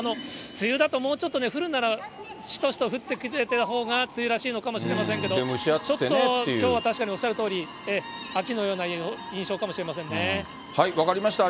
梅雨だともうちょっとね、降るなら、しとしと降ってくれてたほうが梅雨らしいのかもしれませんけど、ちょっときょうは確かにおっしゃるとおり、秋のような印象かもし分かりました。